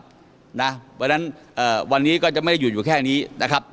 เพราะฉะนั้นวันนี้ก็จะไม่ได้หยุดอยู่แค่นี้นะครับ